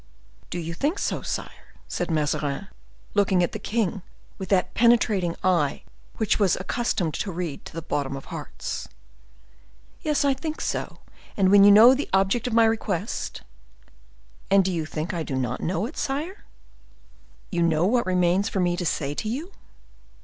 "Do you think so, sire?" said Mazarin, looking at the king with that penetrating eye which was accustomed to read to the bottom of hearts. "Yes, I think so; and when you know the object of my request—" "And do you think I do not know it, sire?" "You know what remains for me to say to you?"